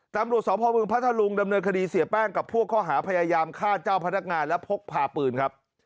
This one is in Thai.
ตำรวจสพเมืองพัทธรุงดำเนินคดีเสียแป้งกับพวกข้อหาพยายามฆ่าเจ้าพนักงานและพกพาปืนครับ